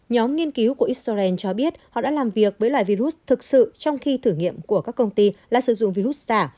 nhóm nghiên cứu của israel cho biết họ đã làm việc với loài virus thực sự trong khi thử nghiệm của các công ty là sử dụng virus giả